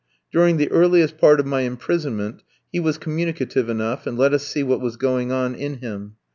During the earliest part of my imprisonment he was communicative enough, and let us see what was going on in him.